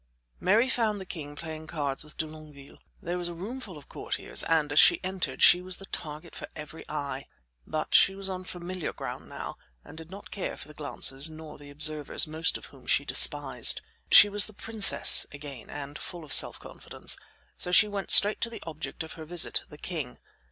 Mary found the king playing cards with de Longueville. There was a roomful of courtiers, and as she entered she was the target for every eye; but she was on familiar ground now, and did not care for the glances nor the observers, most of whom she despised. She was the princess again and full of self confidence; so she went straight to the object of her visit, the king.